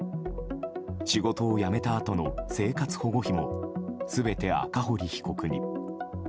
仕事を辞めたあとの生活保護費も全て赤堀被告に。